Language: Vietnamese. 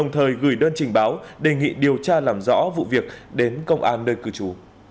gửi đơn trình báo đề nghị điều tra làm rõ vụ việc đến công an nơi cư trú